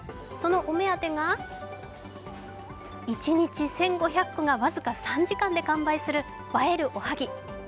そのお目当てが一日１５００個が僅か３時間で完売する映えるおはぎ。